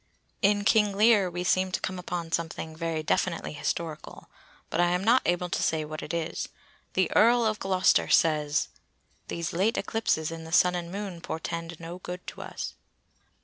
In King Lear we seem to come upon something very definitely historical, but I am not able to say what it is. The Earl of Gloster says:— "These late eclipses in the Sun and Moon portend no good to us."